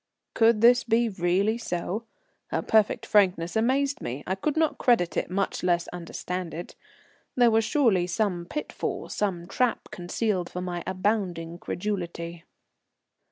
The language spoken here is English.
Could this be really so? Her perfect frankness amazed me. I could not credit it, much less understand it. There was surely some pitfall, some trap concealed for my abounding credulity.